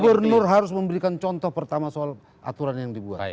gubernur harus memberikan contoh pertama soal aturan yang dibuat